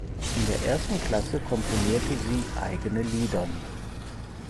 In der ersten Klasse komponierte sie eigene Liedern.